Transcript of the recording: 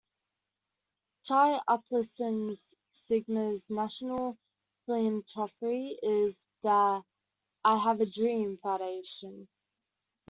Chi Upsilon Sigma's national philanthropy is the I Have A Dream Foundation.